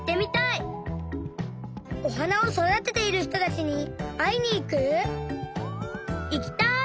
おはなをそだてているひとたちにあいにいく？いきたい！